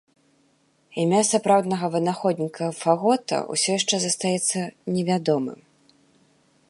Імя сапраўднага вынаходніка фагота ўсё яшчэ застаецца невядомым.